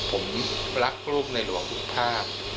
ผมรักลูกในหลวงคุณภาพ